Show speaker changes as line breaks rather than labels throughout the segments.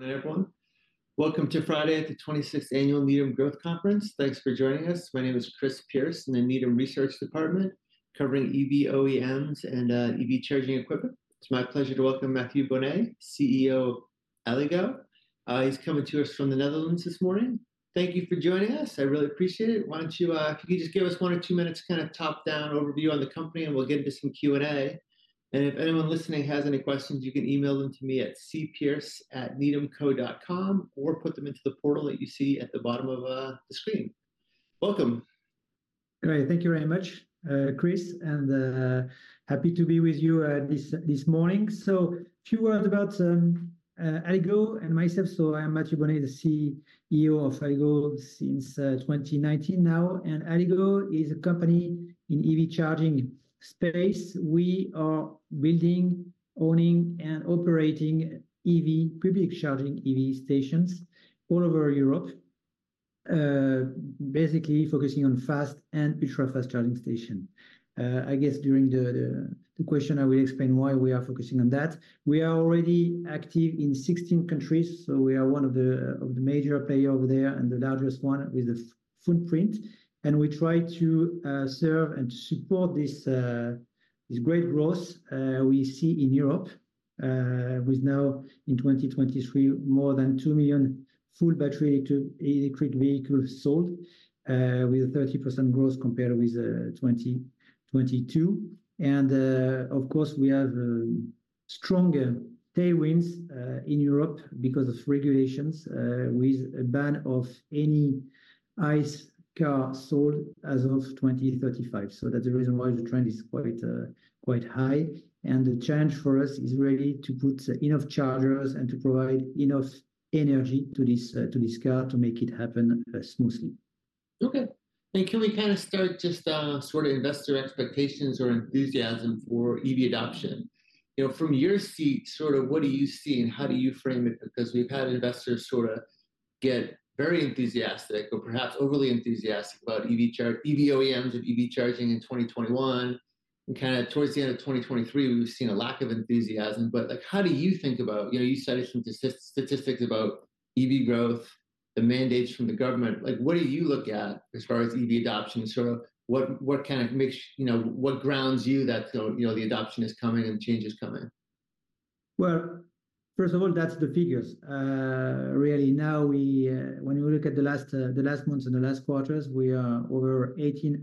Hi, everyone. Welcome to Friday at the 26th Annual Needham Growth Conference. Thanks for joining us. My name is Chris Pierce in the Needham Research Department, covering EV OEMs and EV charging equipment. It's my pleasure to welcome Mathieu Bonnet, CEO of Allego. He's coming to us from the Netherlands this morning. Thank you for joining us. I really appreciate it. Why don't you, could you just give us one or two minutes kind of top-down overview on the company, and we'll get into some Q&A? And if anyone listening has any questions, you can email them to me at cpierce@needhamco.com, or put them into the portal that you see at the bottom of the screen. Welcome.
Great. Thank you very much, Chris, and happy to be with you this morning. A few words about Allego and myself so I'm Mathieu Bonnet, the CEO of Allego since 2019 now, and Allego is a company in EV charging space. We are building, owning, and operating public charging EV stations all over Europe, basically focusing on fast and ultra-fast charging station. I guess during the question, I will explain why we are focusing on that. We are already active in 16 countries, so we are one of the major player over there and the largest one with the footprint. We try to serve and support this this great growth we see in Europe with now in 2023, more than 2 million full battery to electric vehicles sold with a 30% growth compared with 2022. Of course, we have stronger tailwinds in Europe because of regulations with a ban of any ICE car sold as of 2035 so that's the reason why the trend is quite quite high. The challenge for us is really to put enough chargers and to provide enough energy to this car to make it happen smoothly.
Okay. And can we kind of start just sort of investor expectations or enthusiasm for EV adoption? You know, from your seat, sort of what do you see and how do you frame it? Because we've had investors sort of get very enthusiastic or perhaps overly enthusiastic about EV OEMs and EV charging in 2021. And kind of towards the end of 2023, we've seen a lack of enthusiasm. Like, how do you think about... You know, you cited some statistics about EV growth, the mandates from the government like, what do you look at as far as EV adoption? Sort of what kind of makes, you know, what grounds you that, you know, the adoption is coming and change is coming?
Well, first of all, that's the figures. Really now we, when we look at the last, the last months and the last quarters, we are over 18%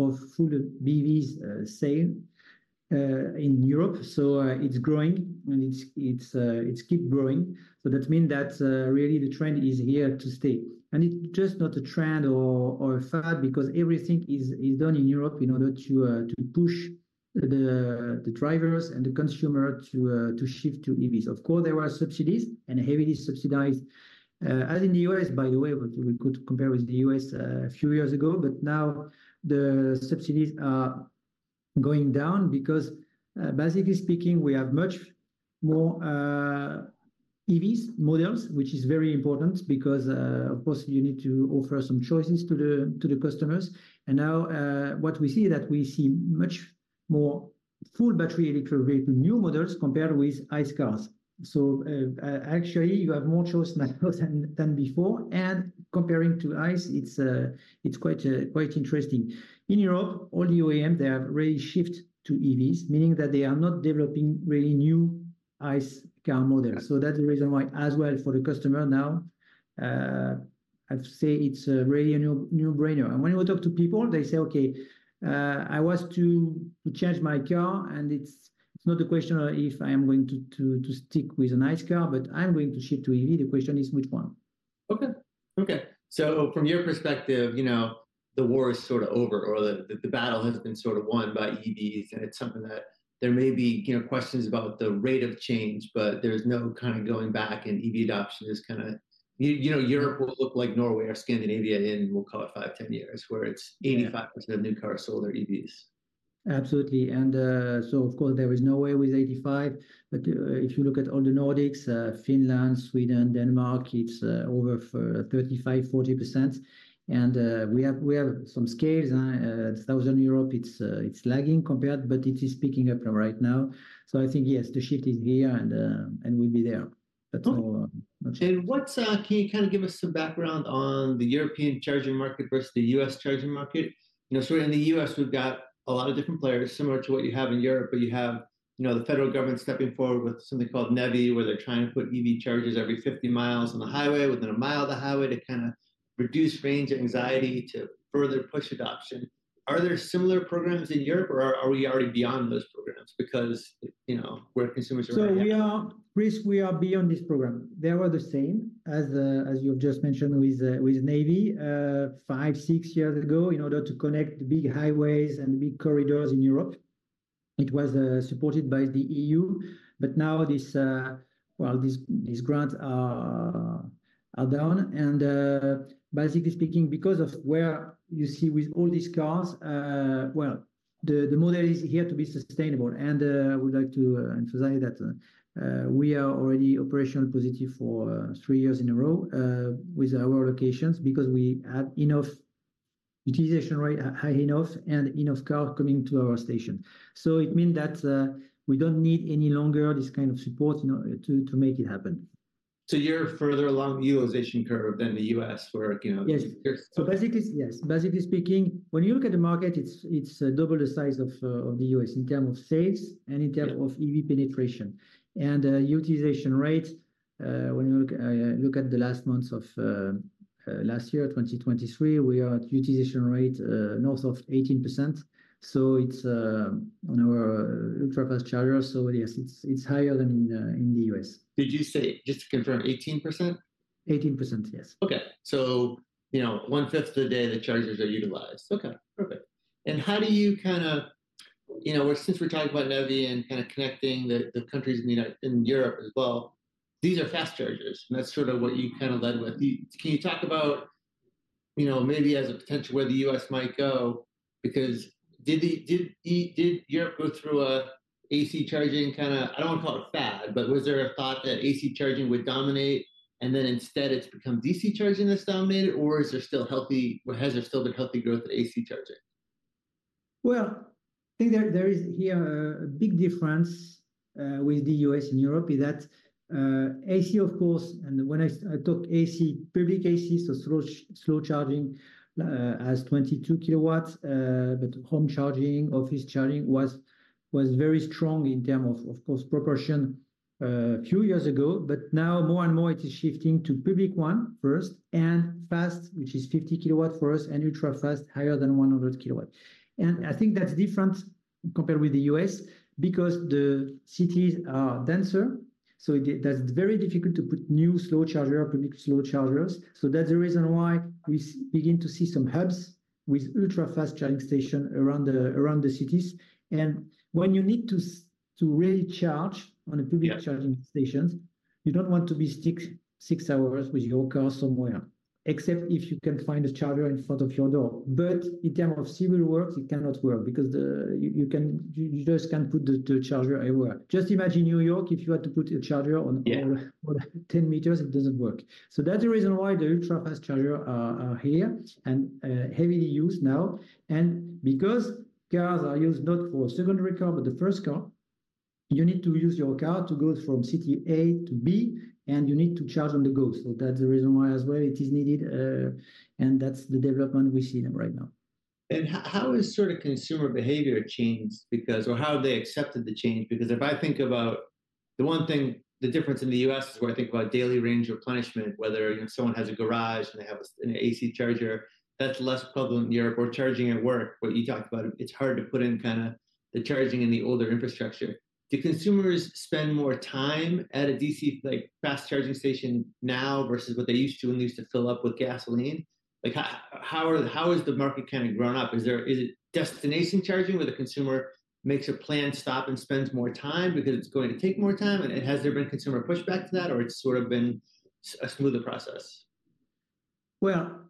of full BEVs sale in Europe. It's growing and it's keep growing. That mean that, really the trend is here to stay. And it's just not a trend or a fad because everything is done in Europe in order to push the drivers and the consumer to shift to EVs of course, there are subsidies and heavily subsidized, as in the U.S., by the way, we could compare with the U.S. a few years ago. Now the subsidies are going down because, basically speaking, we have much more, EVs models, which is very important because, of course, you need to offer some choices to the, to the customers. And now, what we see is that we see much more full battery electric vehicle, new models compared with ICE cars. Actually, you have more choice now than, than before, and comparing to ICE, it's, it's quite, quite interesting. In Europe, all the OEM, they have really shift to EVs, meaning that they are not developing really new ICE car models. So that's the reason why, as well, for the customer now, I'd say it's, really a no- no-brainer and when we talk to people, they say: "Okay, I want to change my car, and it's not a question of if I am going to stick with an ICE car, but I'm going to shift to EV the question is which one?
Okay. Okay, so from your perspective, you know, the war is sort of over or the battle has been sort of won by EVs, and it's something that there may be, you know, questions about the rate of change, but there's no kind of going back, and EV adoption is kind of... You, you know, Europe will look like Norway or Scandinavia in, we'll call it five, 10 years, where it's 85% of new cars sold are EVs.
Absolutely. Of course there is no way with 85, but, if you look at all the Nordics, Finland, Sweden, Denmark, it's over 35%-40%. We have, we have some scales, Southern Europe, it's lagging compared, but it is picking up right now. So I think, yes, the shift is here, and, and we'll be there.
What's, Can you kind of give us some background on the European charging market versus the US charging market? You know, so in the US, we've got a lot of different players, similar to what you have in Europe, but you have, you know, the federal government stepping forward with something called NEVI, where they're trying to put EV chargers every 50mi on the highway, within 1mi of the highway, to kind of reduce range anxiety, to further push adoption. Are there similar programs in Europe, or are, are we already beyond those programs? Because, you know, we're consumers already-
We are, Chris, we are beyond this program. They are the same as as you've just mentioned with with NEVI five to six years ago, in order to connect big highways and big corridors in Europe. It was supported by the EU, but now this, well, these grants are down. Basically speaking, because of where you see with all these cars, well, the model is here to be sustainable. And I would like to emphasize that we are already operational positive for three years in a row with our locations, because we have enough utilization rate high enough and enough car coming to our station. So it mean that we don't need any longer this kind of support, you know, to make it happen.
You're further along the utilization curve than the U.S., where, you know-
Yes.
There's-
Basically, yes. Basically speaking, when you look at the market, it's double the size of the US in terms of sales and in terms of EV penetration. And, utilization rate, when you look at the last months of last year, 2023, we are at utilization rate north of 18%. So it's on our ultra-fast charger so yes, it's higher than in the U.S.
Did you say, just to confirm, 18%?
18%, yes.
Okay, you know, 1/5 of the day the chargers are utilized.
Okay, perfect.
How do you kind of, you know, since we're talking about NEVI and kind of connecting the countries in Europe as well, these are fast chargers, and that's sort of what you kind of led with. Can you talk about, you know, maybe as a potential where the US might go, because did the... Did Europe go through an AC charging kind of, I don't want to call it a fad, but was there a thought that AC charging would dominate, and then instead it's become DC charging that's dominated? Or is there still healthy or has there still been healthy growth in AC charging?
Well, I think there is here a big difference with the US and Europe, is that AC, of course, and when I talk AC, public AC, so slow charging as 22 kilowatts. But home charging, office charging was very strong in terms of, of course, proportions a few years ago. But now more and more it is shifting to public one first, and fast, which is 50 kW for us, and ultra-fast, higher than 100 kW. I think that's different compared with the US because the cities are denser, so it's very difficult to put new slow charger, public slow chargers. So that's the reason why we begin to see some hubs with ultra-fast charging station around the cities. When you need to really charge on a public charging stations, you don't want to be stuck six hours with your car somewhere, except if you can find a charger in front of your door. But in terms of civil works, it cannot work, because you just can't put the charger anywhere. Just imagine New York, if you had to put a charger on all 10 m, it doesn't work. So that's the reason why the ultra-fast charger are here and heavily used now. And because cars are used not for secondary car but the first car, you need to use your car to go from city A to B, and you need to charge on the go so that's the reason why as well it is needed, and that's the development we see them right now.
How has sort of consumer behavior changed because... Or how have they accepted the change? Because if I think about the one thing, the difference in the U.S. is where I think about daily range replenishment, whether, you know, someone has a garage and they have a, an AC charger, that's less prevalent in Europe or charging at work, what you talked about. It's hard to put in kind of the charging in the older infrastructure. Do consumers spend more time at a DC, like, fast charging station now versus what they used to when they used to fill up with gasoline? Like, how has the market kind of grown up? Is it destination charging, where the consumer makes a planned stop and spends more time because it's going to take more time? Has there been consumer pushback to that, or it's sort of been a smoother process?
Well,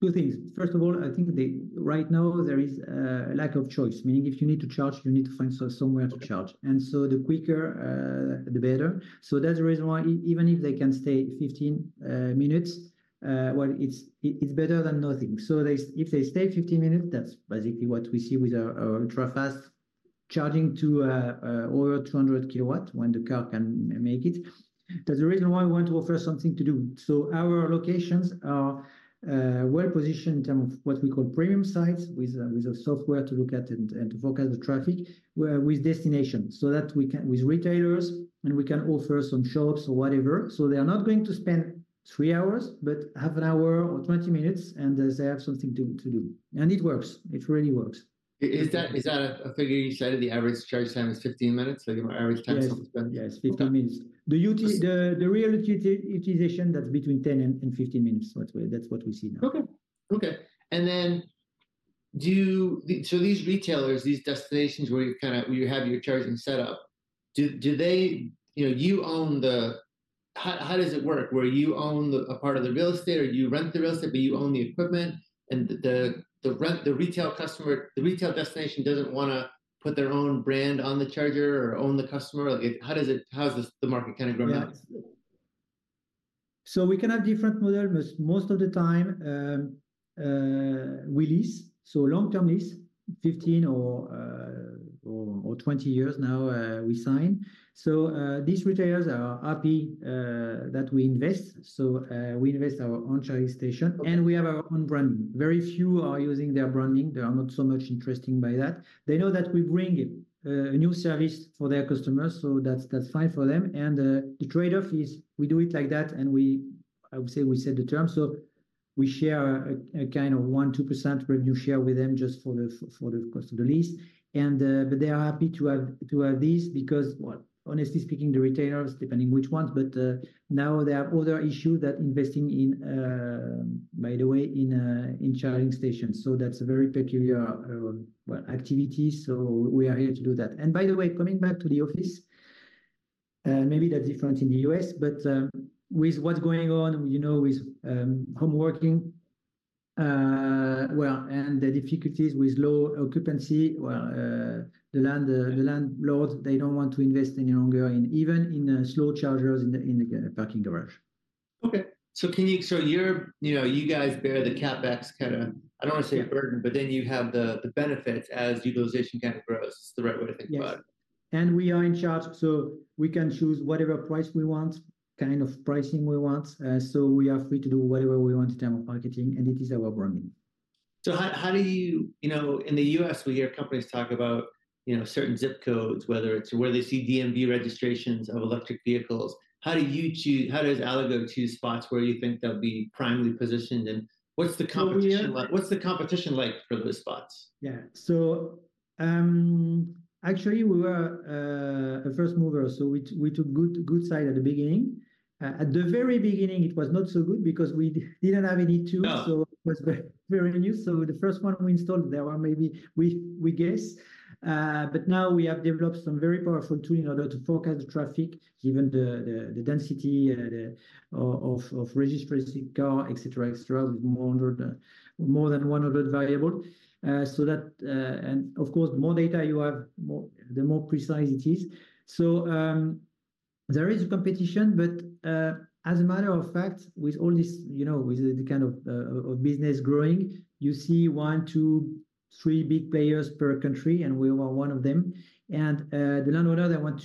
two things. First of all, I think right now there is a lack of choice. Meaning, if you need to charge, you need to find somewhere to charge.
Okay.
The quicker, the better. So that's the reason why even if they can stay 15 minutes, well, it's better than nothing so they, if they stay 15 minutes, that's basically what we see with our ultra-fast charging to over 200 kW when the car can make it. That's the reason why we want to offer something to do. So our locations are well positioned in terms of what we call premium sites, with a software to look at and to forecast the traffic with destinations. That we can with retailers, and we can offer some shops or whatever so they are not going to spend three hours, but half an hour or 20 minutes, and they have something to do. And it works. It really works.
Is that a figure you said that the average charge time is 15 minutes? So your average time spent-
Yes, yes.
Okay.
15 minutes. The real utilization, that's between 10 and 15 minutes. That's what we see now.
Okay. Okay, and then do you... these retailers, these destinations where you kind of- where you have your charging set up, do they... You know, you own the... How does it work? Where you own the, a part of the real estate, or you rent the real estate but you own the equipment, and the, the retail customer- the retail destination doesn't wanna put their own brand on the charger or own the customer? Like, how does this, the market kind of grown up?
Yeah. We can have different model, but most of the time, we lease. Long-term lease, 15 or 20 years now, we sign. These retailers are happy that we invest. We invest our own charging station-
Okay...
and we have our own branding very few are using their branding they are not so much interested by that. They know that we bring a new service for their customers, so that's fine for them. The trade-off is we do it like that and we, I would say, we set the terms we share a kind of 1%-2% revenue share with them just for the for the cost of the lease. And but they are happy to have this, because well, honestly speaking, the retailers, depending which ones, but now there are other issue that investing in, by the way, in charging stations so that's a very peculiar well, activity. We are here to do that by the way, coming back to the office, maybe that's different in the US, but with what's going on, you know, with homeworking, well, and the difficulties with low occupancy, well, the landlords, they don't want to invest any longer in even slow chargers in the parking garage.
Okay. So you're, you know, you guys bear the CapEx kind of, I don't want to say a burden-
Yeah...
but then you have the benefit as utilization kind of grows. Is that the right way to think about it?
Yes. And we are in charge, so we can choose whatever price we want, kind of pricing we want so we are free to do whatever we want in terms of marketing, and it is our branding.
How do you... You know, in the U.S. we hear companies talk about, you know, certain zip codes, whether it's where they see DMV registrations of electric vehicles. How do you choose - how does Allego choose spots where you think they'll be primely positioned, and what's the competition like?
We have-
What's the competition like for those spots?
Yeah. Actually, we were a first mover, so we took good side at the beginning. At the very beginning it was not so good because we didn't have any tools so it was very, very new so the first one we installed there were maybe, we guess. Now we have developed some very powerful tool in order to forecast the traffic, given the density of registered cars, et cetera, with more than 100 variables. And of course, the more data you have, the more precise it is. There is competition but, as a matter of fact, with all this, you know, with the kind of business growing, you see one, two, three big players per country, and we are one of them. The landowners, they want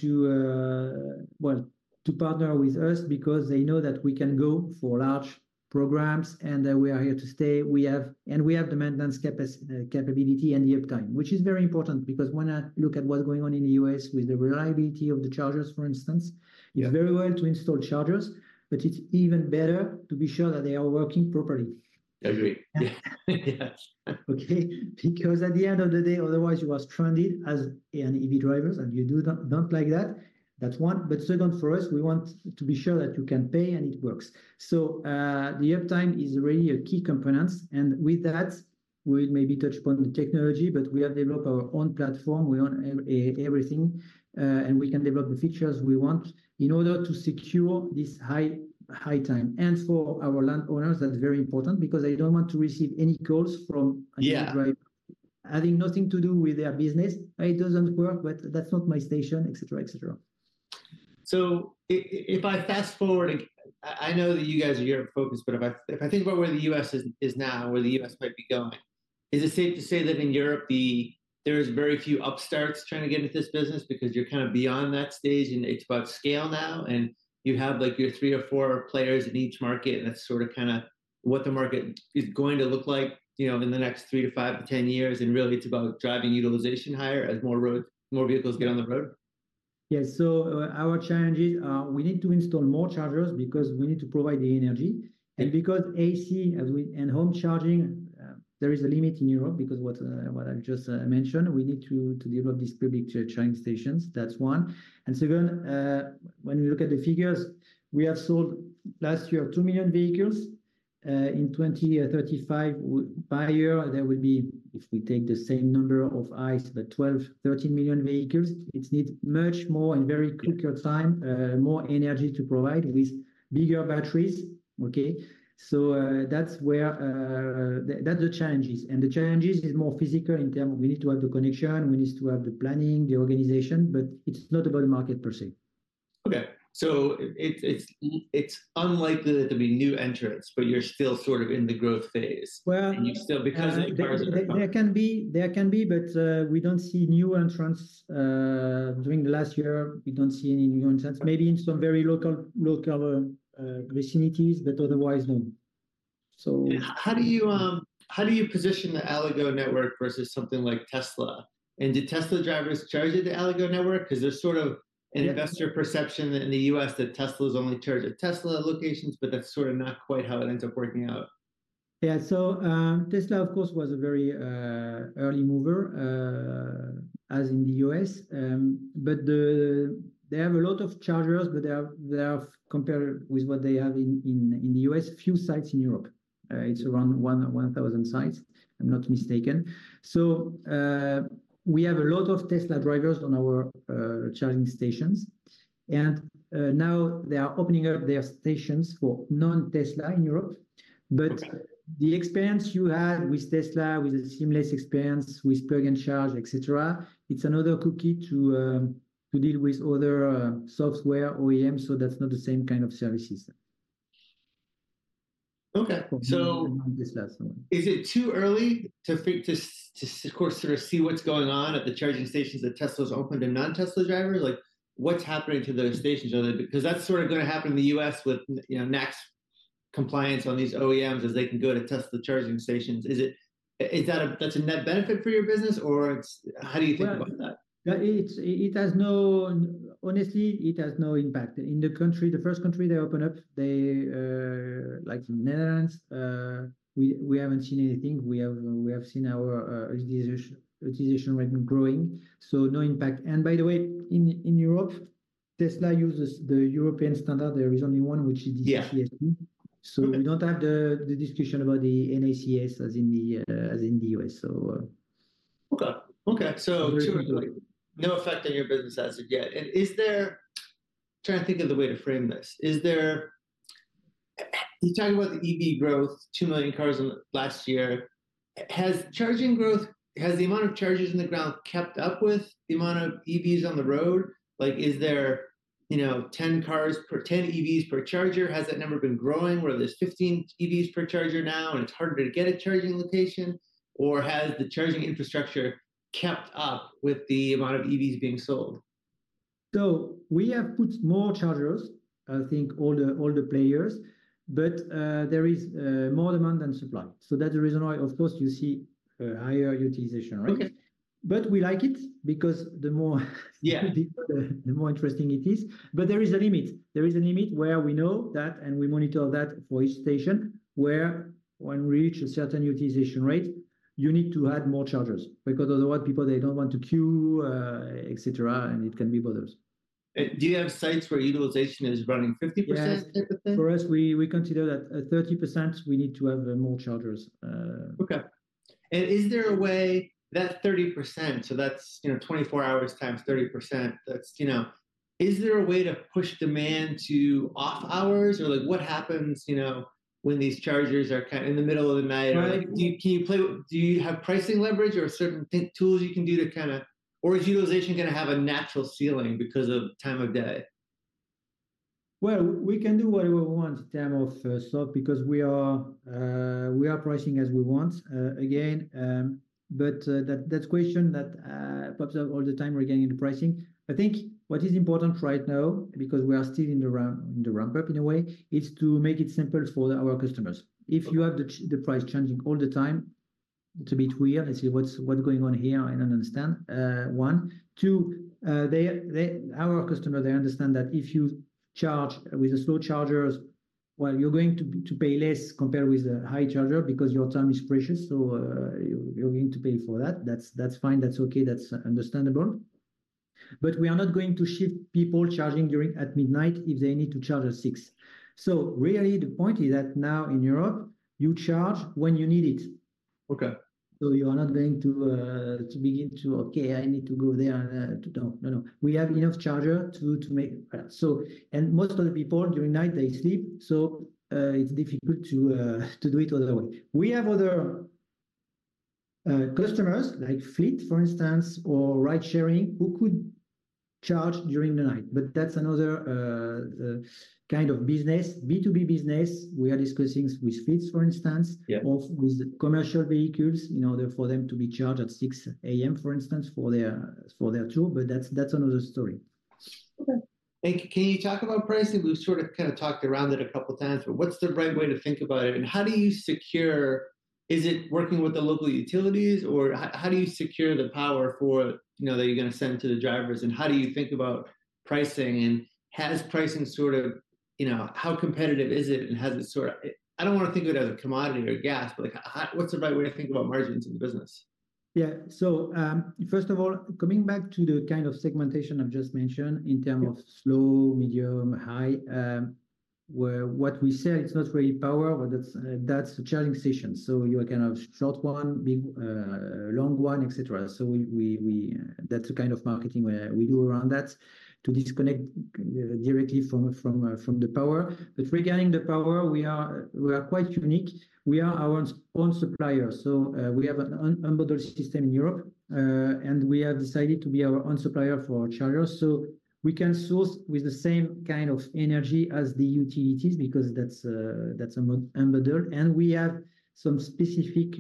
to partner with us because they know that we can go for large programs and that we are here to stay we have the maintenance capability and the uptime, which is very important because when I look at what's going on in the U.S. with the reliability of the chargers, for instance-
Yeah...
it's very well to install chargers, but it's even better to be sure that they are working properly.
Agree. Yeah.
Okay? Because at the end of the day, otherwise, you are stranded as an EV drivers, and you do not, not like that. That's one, but second, for us, we want to be sure that you can pay and it works. The uptime is really a key component, and with that, we'll maybe touch upon the technology, but we have developed our own platform we own EV- everything, and we can develop the features we want in order to secure this high, high time and for our landowners, that's very important because they don't want to receive any calls from-
Yeah...
an EV driver having nothing to do with their business. "It doesn't work," "But that's not my station," et cetera, et cetera.
If I fast-forward, I know that you guys are Europe focused, but if I think about where the U.S. is now and where the U.S. might be going, is it safe to say that in Europe, there's very few upstarts trying to get into this business because you're kind of beyond that stage and it's about scale now, and you have, like, your three or four players in each market, and that's sort of kind of what the market is going to look like, you know, in the next three to five to 10 years, and really it's about driving utilization higher as more vehicles get on the road?
Yeah. Our challenges are we need to install more chargers because we need to provide the energy. And because AC, as we and home charging, there is a limit in Europe, because what I've just mentioned, we need to develop these public charging stations. That's one. Second, when we look at the figures, we have sold last year, 2 million vehicles. In 2035 by year, there will be, if we take the same number of ICE, the 12-13 million vehicles, it need much more and very quicker time, more energy to provide with bigger batteries. Okay? That's where, the, that's the challenge is and the challenge is, is more physical in term of we need to have the connection, we need to have the planning, the organization, but it's not about the market per se.
Okay. It's unlikely that there'll be new entrants, but you're still sort of in the growth phase.
Well-
And you still, because of the-
There can be, but we don't see new entrants. During the last year, we don't see any new entrants maybe in some very local vicinities, but otherwise, no. So-
How do you, how do you position the Allego network versus something like Tesla? And do Tesla drivers charge at the Allego network? Because there's sort of an investor perception in the U.S. that Teslas only charge at Tesla locations, but that's sort of not quite how it ends up working out.
Yeah. Tesla, of course, was a very early mover as in the U.S. But they have a lot of chargers, but they have, compared with what they have in the U.S., few sites in Europe. It's around 1,000 sites, if I'm not mistaken. We have a lot of Tesla drivers on our charging stations, and now they are opening up their stations for non-Tesla in Europe.
Okay.
But the experience you had with Tesla, with the seamless experience, with Plug & Charge, et cetera, it's another cookie to deal with other software OEMs, so that's not the same kind of services.
Okay.
For Tesla.
Is it too early to, of course, sort of see what's going on at the charging stations that Tesla's opened to non-Tesla drivers? Like, what's happening to those stations? Are they... Because that's sort of going to happen in the U.S. with you know, NACS compliance on these OEMs as they can go to Tesla charging stations. Is it, is that a, that's a net benefit for your business, or it's... How do you think about that?
Well, honestly, it has no impact in the country, the first country they open up, like Netherlands, we haven't seen anything we have seen our utilization rate growing, so no impact and by the way, in Europe, Tesla uses the European standard there is only one, which is the CCS.
Yeah.
We don't have the discussion about the NACS as in the U.S., so-
Okay. Okay. No effect on your business as of yet. Trying to think of the way to frame this. You're talking about the EV growth, 2 million cars in last year. Has the amount of chargers in the ground kept up with the amount of EVs on the road? Like, is there, you know, 10 EVs per charger? Has that number been growing, where there's 15 EVs per charger now, and it's harder to get a charging location? Or has the charging infrastructure kept up with the amount of EVs being sold?
We have put more chargers, I think, all the players, but there is more demand than supply. That's the reason why, of course, you see a higher utilization rate.
Okay.
But we like it because the more-
Yeah...
the more interesting it is. But there is a limit. There is a limit where we know that, and we monitor that for each station, where when we reach a certain utilization rate, you need to add more chargers, because otherwise people, they don't want to queue, et cetera, and it can be bothers.
Do you have sites where utilization is running 50%, type of thing?
Yeah. For us, we consider that at 30% we need to have more chargers.
Okay. And is there a way... That 30%, so that's, you know, 24 hours times 30%, that's, you know, is there a way to push demand to off hours? Or, like, what happens, you know, when these chargers are in the middle of the night?
Right.
Or, like, do you, can you play with--do you have pricing leverage or certain things, tools you can do to kind of... Or is utilization going to have a natural ceiling because of time of day?
Well, we can do whatever we want in terms of slope, because we are pricing as we want, again. But that question that pops up all the time, regarding the pricing. I think what is important right now, because we are still in the ramp up, in a way, is to make it simple for our customers. If you have the price changing all the time, it's a bit weird they say, "What's going on here? I don't understand." One. Two, our customer, they understand that if you charge with the slow chargers, well, you're going to pay less compared with the high charger because your time is precious, so you're going to pay for that. That's fine. That's okay. That's understandable. But we are not going to shift people charging during at midnight if they need to charge at six. Really, the point is that now in Europe, you charge when you need it.
Okay.
You are not going to begin to: "Okay, I need to go there." No, no, no. We have enough charger to make it. And most of the people, during night, they sleep, it's difficult to do it other way. We have other customers, like fleet, for instance, or ride-sharing, who could charge during the night, but that's another kind of business. B2B business, we are discussing with fleets, for instance-
Yeah...
or with commercial vehicles, in order for them to be charged at 6:00 A.M., for instance, for their, for their tour but that's, that's another story.
Okay. Can you talk about pricing? We've sort of kind of talked around it a couple times, but what's the right way to think about it, and how do you secure... Is it working with the local utilities, or how do you secure the power for, you know, that you're going to send to the drivers? And how do you think about pricing, and has pricing sort of... You know, how competitive is it, and has it sort of- I don't want to think of it as a commodity or gas, but, like, how, what's the right way to think about margins in the business?
Yeah. First of all, coming back to the kind of segmentation I've just mentioned in term of slow, medium, high, where what we say, it's not really power, but that's, that's a charging station so you are kind of short one, big, long one, et cetera. We, that's the kind of marketing where we do around that to disconnect directly from, from, from the power. But regarding the power, we are quite unique. We are our own supplier. We have an unbundled system in Europe, and we have decided to be our own supplier for chargers. We can source with the same kind of energy as the utilities, because that's unbundled and we have some specific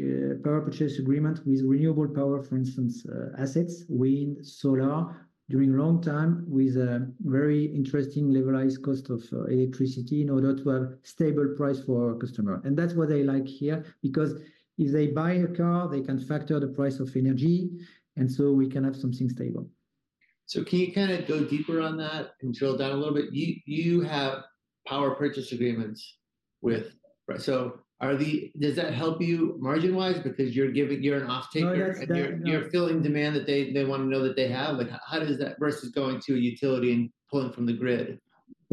Power Purchase Agreement with renewable power, for instance, assets, wind, solar, during long time, with a very interesting levelized cost of electricity in order to have stable price for our customer that's what they like here, because if they buy a car, they can factor the price of energy, and so we can have something stable.
Can you kind of go deeper on that and drill down a little bit? You have power purchase agreements with does that help you margin-wise because you're an off-taker?
No, that's-...
and you're filling demand that they want to know that they have? Like, how does that, versus going to a utility and pulling from the grid?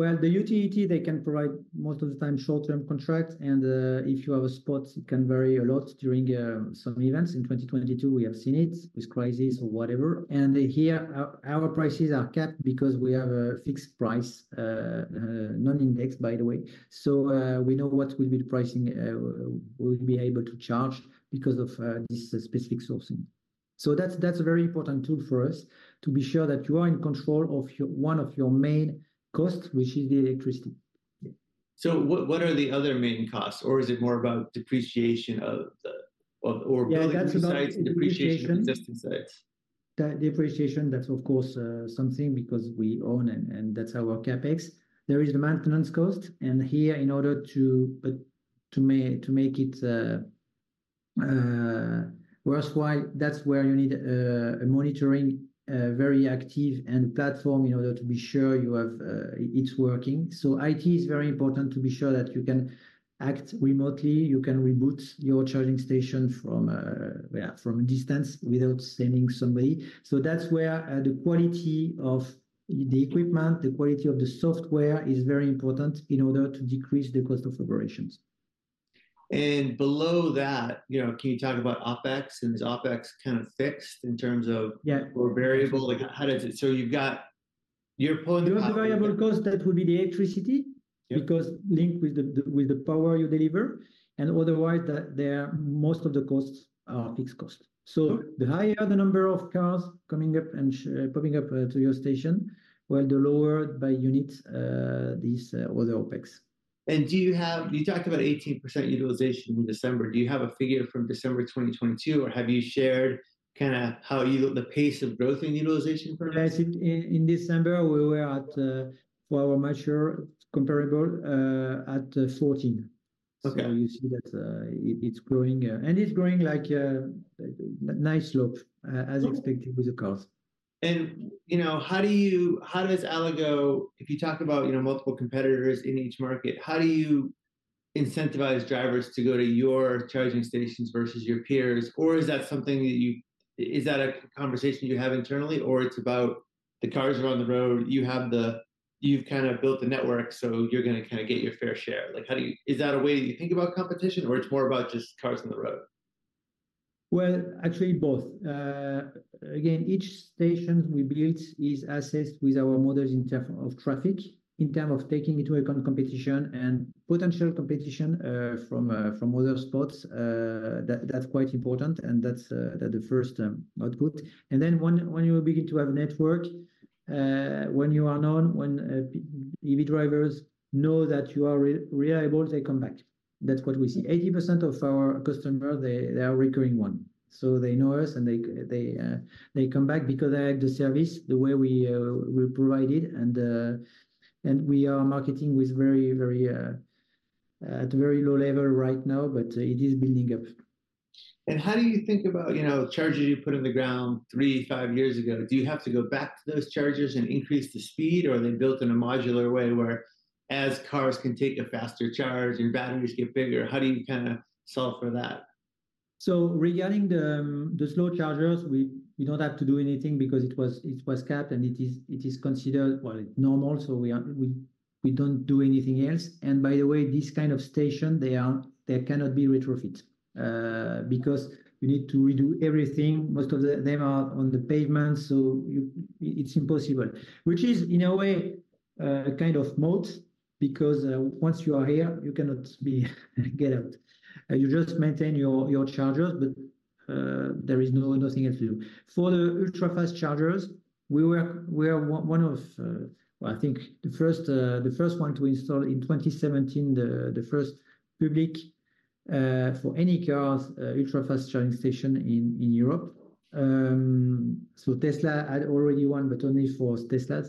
Well, the utility, they can provide, most of the time, short-term contracts, and, if you have a spot, it can vary a lot during, some events in 2022, we have seen it with crisis or whatever. Here, our prices are capped because we have a fixed price, non-indexed, by the way. We know what will be the pricing, we'll be able to charge because of, this specific sourcing. So that's, that's a very important tool for us, to be sure that you are in control of your, one of your main costs, which is the electricity. Yeah.
What are the other main costs? Or is it more about depreciation of the...
Yeah, that's about-
building the sites-
Depreciation...
depreciation sites.
The depreciation, that's of course something because we own and that's our CapEx. There is the maintenance cost, and here, in order to make it worthwhile, that's where you need a monitoring very active and platform in order to be sure you have it's working. So IT is very important to be sure that you can act remotely, you can reboot your charging station from a distance without sending somebody. So that's where the quality of the equipment, the quality of the software is very important in order to decrease the cost of operations. ...
And below that, you know, can you talk about OpEx? And is OpEx kind of fixed in terms of-
Yeah.
or variable? Like, how does it? So you've got, you're pulling the-
The only variable cost, that would be the electricity-
Yeah...
because linked with the power you deliver, and otherwise then most of the costs are fixed costs.
Okay.
The higher the number of cars coming up and popping up to your station, well, the lower by unit these other OpEx.
Do you have—you talked about 18% utilization in December. Do you have a figure from December 2022, or have you shared kind of how you—the pace of growth in utilization for next year? In December, we were at for our mature comparable at 14.
Okay.
You see that it's growing, and it's growing like a nice slope, as expected with the cars. You know, how do you, how does Allego... If you talk about, you know, multiple competitors in each market, how do you?incentivize drivers to go to your charging stations versus your peers? Or is that something that you, is that a conversation you have internally, or it's about the cars are on the road, you have the, you've kind of built the network, so you're gonna kind of get your fair share? Like, how do you, is that a way that you think about competition, or it's more about just cars on the road?
Well, actually both. Again, each station we build is assessed with our models in terms of traffic, in terms of taking into account competition and potential competition from other spots. That's quite important, and that's the first output. And then when you begin to have a network, when you are known, when EV drivers know that you are reliable, they come back. That's what we see 80% of our customers, they are recurring ones. So they know us, and they come back because they like the service, the way we provide it. We are marketing at a very low level right now, but it is building up.
How do you think about, you know, chargers you put in the ground three, five years ago? Do you have to go back to those chargers and increase the speed, or are they built in a modular way, whereas cars can take a faster charge and batteries get bigger, how do you kind of solve for that?
Regarding the slow chargers, we don't have to do anything because it was capped, and it is considered, well, normal so we don't do anything else. And by the way, this kind of station, they cannot be retrofit because you need to redo everything. Most of them are on the pavement, It's impossible, which is, in a way, a kind of moat, because once you are here, you cannot get out. You just maintain your chargers, but there is nothing else to do. For the ultra-fast chargers, we were one of, well, I think the first one to install in 2017, the first public for any cars ultra-fast charging station in Europe. Tesla had already one, but only for Teslas.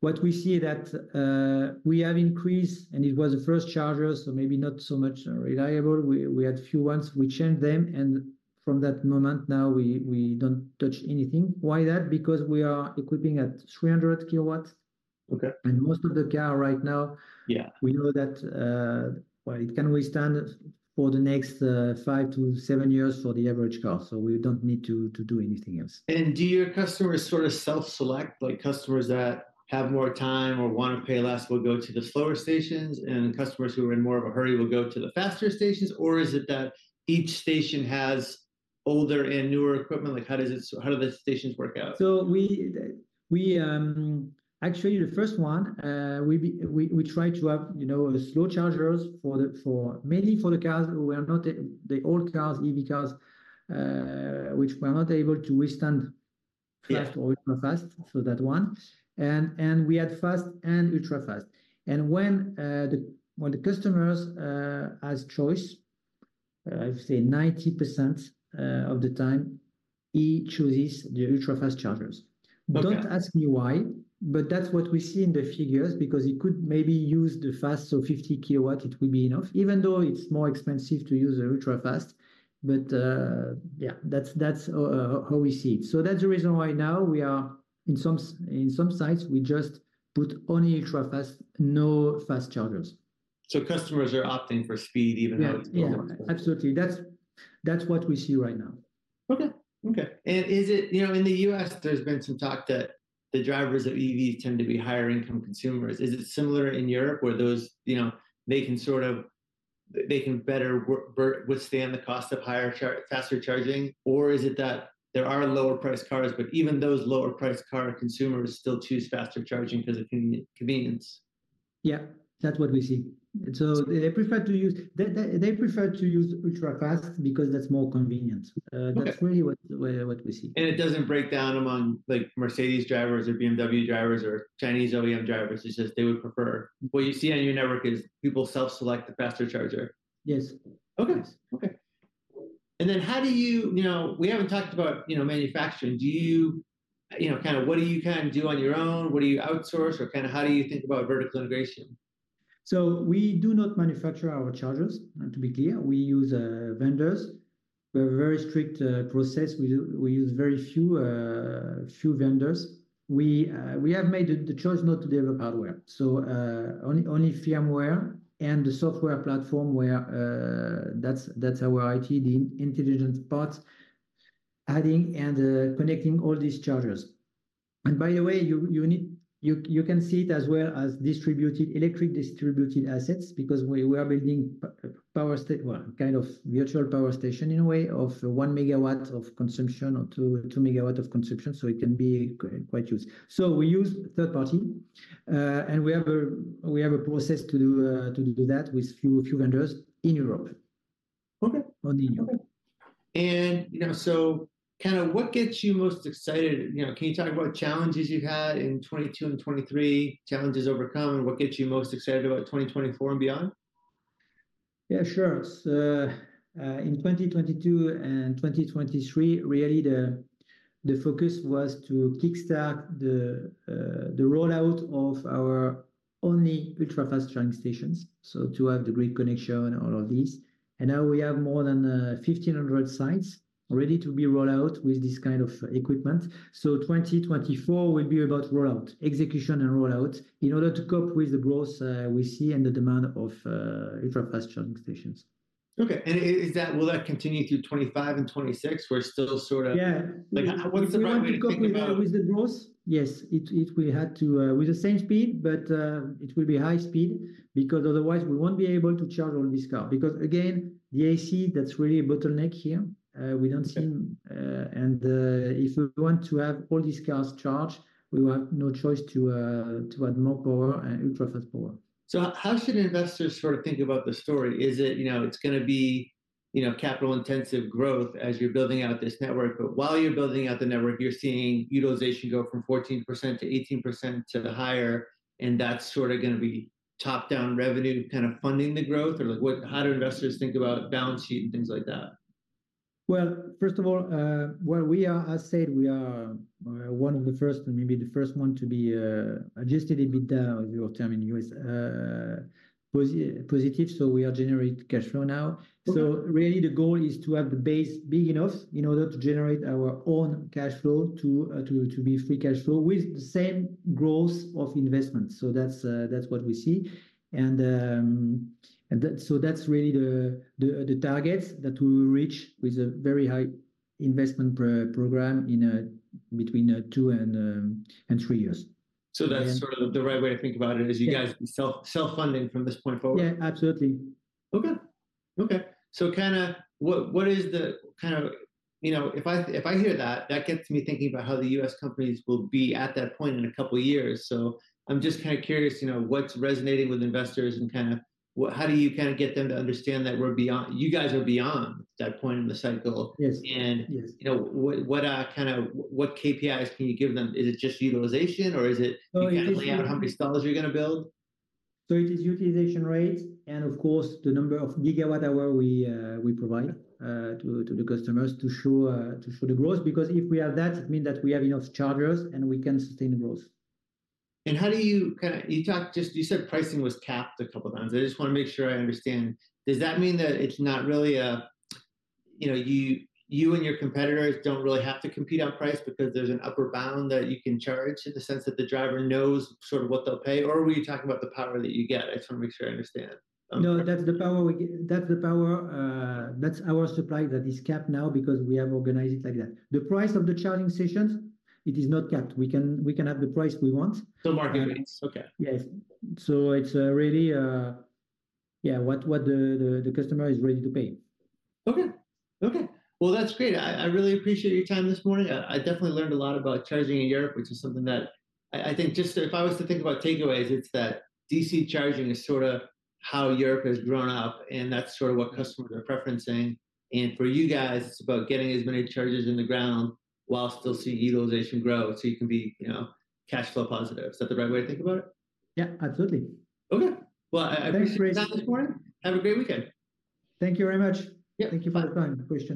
What we see that, we have increased, and it was the first chargers, so maybe not so much reliable. We had a few ones we changed them, and from that moment now, we don't touch anything why that? Because we are equipping at 300 kW.
Okay.
Most of the car right now-
Yeah...
we know that, well, it can withstand for the next five to seven years for the average car, so we don't need to do anything else.
Do your customers sort of self-select, like customers that have more time or want to pay less will go to the slower stations, and customers who are in more of a hurry will go to the faster stations? Or is it that each station has older and newer equipment? Like, how does it, how do the stations work out?
We actually, the first one, we tried to have, you know, the slow chargers for mainly for the cars who are not the old cars, EV cars, which were not able to withstand-
Yeah...
fast or ultra fast, so that one. And we had fast and ultra-fast. When the customers has choice, I'd say 90% of the time, he chooses the ultra-fast chargers.
Okay.
Don't ask me why, but that's what we see in the figures, because you could maybe use the fast, so 50 kW, it will be enough, even though it's more expensive to use the ultra-fast. But, yeah, that's how we see it. So that's the reason why now we are in some sites, we just put only ultra-fast, no fast chargers.
Customers are opting for speed even though it's more expensive?
Yeah, absolutely. That's, that's what we see right now.
Okay. Okay. And is it, you know, in the U.S., there's been some talk that the drivers of EV tend to be higher income consumers is it similar in Europe, where those, you know, they can sort of, they can better withstand the cost of higher, faster charging? Or is it that there are lower priced cars, but even those lower priced car consumers still choose faster charging because of convenience?
Yeah, that's what we see.
Okay.
They prefer to use ultra-fast because that's more convenient.
Okay.
That's really what we see.
It doesn't break down among, like, Mercedes drivers or BMW drivers or Chinese OEM drivers. It's just they would prefer. What you see on your network is people self-select the faster charger?
Yes.
Okay. Okay. And then how do you... You know, we haven't talked about, you know, manufacturing. Do you, you know, kind of what do you kind of do on your own? What do you outsource, or kind of how do you think about vertical integration?
We do not manufacture our chargers, to be clear we use vendors. We have a very strict process we use very few vendors. We have made the choice not to develop hardware, only firmware and the software platform where... That's our IT, the intelligence part... adding and connecting all these chargers. By the way, you can see it as well as distributed, electric distributed assets, because we are building well, kind of virtual power station in a way, of 1 MW of consumption or 2 MW of consumption, so it can be quite huge. So we use third party, and we have a process to do that with few vendors in Europe.
Okay.
Only in Europe.
Okay. You know, so kind of what gets you most excited? You know, can you talk about challenges you've had in 2022 and 2023, challenges overcome, and what gets you most excited about 2024 and beyond?
Yeah, sure. In 2022 and 2023, really the focus was to kickstart the rollout of our only ultra-fast charging stations, so to have the grid connection and all of this. And now we have more than 1,500 sites ready to be rolled out with this kind of equipment. 2024 will be about rollout, execution and rollout, in order to cope with the growth we see and the demand of ultra-fast charging stations.
Okay. And, is that, will that continue through 2025 and 2026, where it's still sort of-
Yeah...
like, what's the right way to think about it?
We have to cope with the growth. Yes, we had to with the same speed, but it will be high speed, because otherwise we won't be able to charge all these cars because, again, the AC, that's really a bottleneck here. We don't see, if we want to have all these cars charged, we have no choice to, to add more power and ultra-fast power.
How should investors sort of think about the story? Is it, you know, it's gonna be, you know, capital intensive growth as you're building out this network, but while you're building out the network, you're seeing utilization go from 14% to 18% to higher, and that's sort of gonna be top down revenue kind of funding the growth? Or like, how do investors think about balance sheet and things like that?
Well, first of all, well, we are, as said, we are, one of the first and maybe the first one to be, adjusted EBITDA, your term in U.S., positive, so we are generating cash flow now.
Okay.
Really the goal is to have the base big enough in order to generate our own cash flow, to be free cash flow, with the same growth of investment. So that's what we see. That's really the targets that we will reach with a very high investment program in between two and three years. And-
That's sort of the right way to think about it, is you guys-
Yeah...
self-funding from this point forward?
Yeah, absolutely.
Okay. Okay, so kind of, what is the kind of... You know, if I hear that, that gets me thinking about how the U.S. companies will be at that point in a couple of years. I'm just kind of curious, you know, what's resonating with investors and kind of what, how do you kind of get them to understand that we're beyond, you guys are beyond that point in the cycle?
Yes.
And-... you know, what kind of KPIs can you give them? Is it just utilization or is it-
Oh, utilization...
you kind of lay out how many stalls you're gonna build?
It is utilization rate and of course, the number of gigawatt hour we provide, to the customers to show the growth because if we have that, it means that we have enough chargers and we can sustain growth.
How do you kind of... You talked, just you said pricing was capped a couple times. I just want to make sure I understand. Does that mean that it's not really a, you know, you, you and your competitors don't really have to compete on price because there's an upper bound that you can charge, in the sense that the driver knows sort of what they'll pay? Or were you talking about the power that you get? I just want to make sure I understand.
No, that's the power we get. That's the power, that's our supply that is capped now because we have organized it like that. The price of the charging stations, it is not capped we can, we can have the price we want.
The market rates, okay.
Yes. It's really, yeah, what the customer is ready to pay.
Okay. Okay, well, that's great, I really appreciate your time this morning i definitely learned a lot about charging in Europe, which is something that I, I think just if I was to think about takeaways, it's that DC charging is sort of how Europe has grown up, and that's sort of what customers are preferencing. And for you guys, it's about getting as many chargers in the ground while still seeing utilization grow, so you can be, you know, cash flow positive is that the right way to think about it?
Yeah, absolutely.
Okay. Well,
Thanks for-...
appreciate you this morning. Have a great weekend.
Thank you very much.
Yeah.
Thank you for the time, Chris.